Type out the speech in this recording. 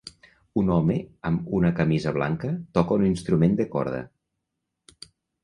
Un home amb una camisa blanca toca un instrument de corda.